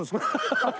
ハハハハ！